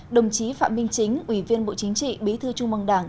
đồng chí phạm minh chính ủy viên bộ chính trị bí thư trung mong đảng